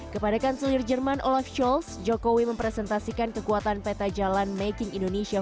kepada kanselir jerman olaf choles jokowi mempresentasikan kekuatan peta jalan making indonesia